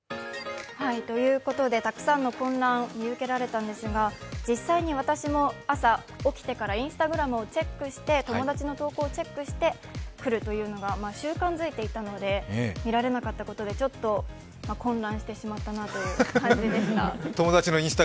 たくさんの混乱が見受けられたんですが、実際に私も朝起きてからＩｎｓｔａｇｒａｍの友達の投稿をチェックして来るというのが習慣づいていたので見られなかったことでちょっと混乱してしまったなという感じでした。